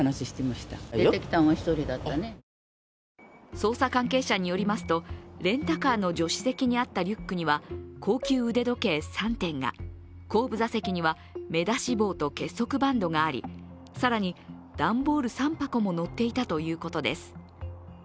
捜査関係者によりますとレンタカーの助手席にあったリュックには高級腕時計３点が、後部座席には目出し帽と結束バンドがあり更に段ボール３箱ものっていたということです。